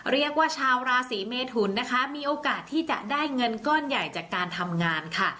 เรียกว่าชาวราศีเมทุนนะคะมีโอกาสที่จะได้เงินก้อนใหญ่จากการทำงานค่ะ